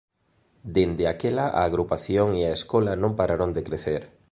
Dende aquela a agrupación e a escola non pararon de crecer.